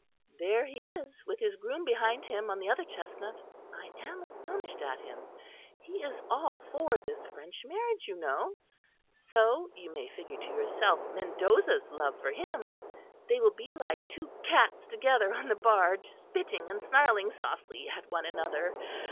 There he is, with his groom behind him, on the other chestnut. I am astonished at him. He is all for this French marriage, you know. So you may figure to yourself Mendoza's love for him! They will be like two cats together on the barge; spitting and snarling softly at one another.